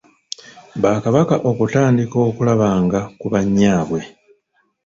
Bakabaka okutandika okulabanga ku bannyaabwe.